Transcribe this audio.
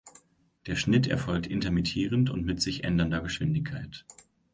Der Schnitt erfolgt intermittierend und mit sich ändernder Geschwindigkeit.